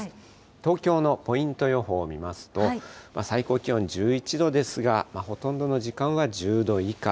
東京のポイント予報を見ますと、最高気温１１度ですが、ほとんどの時間は１０度以下。